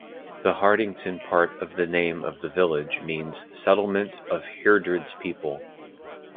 The Hardington part of the name of the village means "settlement of Heardred's people".